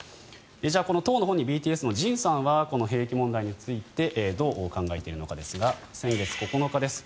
じゃあ、当の本人ＢＴＳのＪＩＮさんはこの兵役問題についてどう考えているのかですが先月９日です。